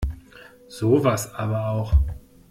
Sowas aber auch!